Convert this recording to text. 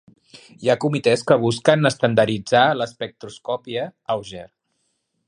Hi ha comitès que busquen estandarditzar l'espectroscòpia Auger.